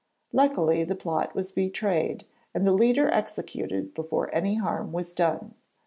Luckily the plot was betrayed and the leader executed before any harm was done.